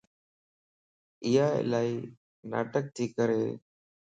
ايا الائي ناٽڪ تي ڪري